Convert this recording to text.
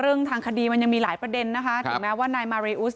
เรื่องทางคดีมันยังมีหลายประเด็นนะคะถึงแม้ว่านายมาริอุส